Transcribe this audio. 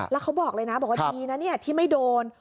แล้วเขาบอกเลยนะบอกว่าดีนะเนี่ยที่ไม่โดน